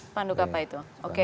sepanduk apa itu